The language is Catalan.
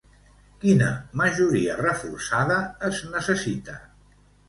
Quina majoria reforçada es necessita?